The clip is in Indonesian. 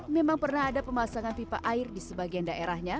memang pernah ada pemasangan pipa air di sebagian daerahnya